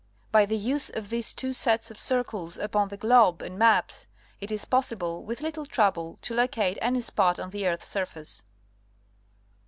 By the use of these two sets of circles upon the globe and maps, it is possible, with little trouble, to locate any spot on the earth's sur face.